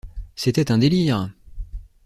C’était un délire!